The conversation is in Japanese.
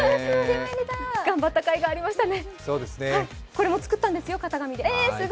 これも作ったんですよ、型紙で。